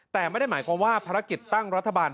แต่ไม่ได้หมายความว่าภารกิจตั้งรัฐบาล